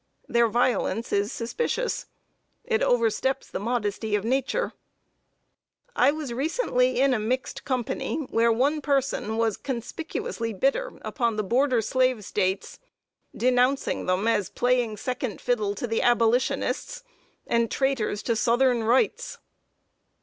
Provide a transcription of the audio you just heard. Their violence is suspicious; it oversteps the modesty of nature. I was recently in a mixed company, where one person was conspicuously bitter upon the border slave States, denouncing them as "playing second fiddle to the Abolitionists," and "traitors to southern rights."